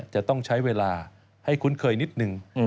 จะต้องใช้เวลาให้คุ้นเคยนิดนึง